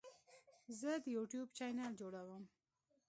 زه د یوټیوب چینل جوړوم.